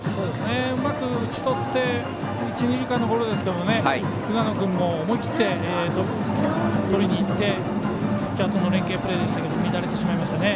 うまく打ちとって一、二塁間のゴロですけど菅野君も思い切ってとりにいってピッチャーとの連係プレーでしたけど乱れてしまいましたね。